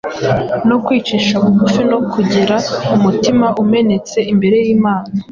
no kwicisha bugufi no kugira umutima umenetse imbere y’Imana.